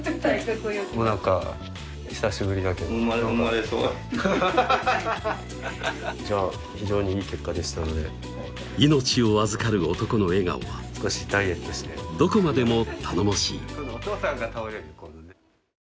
もう何か久しぶりだけどホンマですわじゃあ非常にいい結果でしたので命を預かる男の笑顔は少しダイエットしてどこまでも頼もしいおとうさんが倒れる今度ね